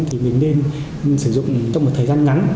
thì mình nên sử dụng trong một thời gian ngắn